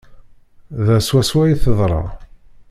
Da swaswa i d-teḍra.